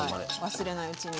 忘れないうちに。